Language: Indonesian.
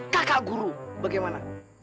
kakak guru bagaimana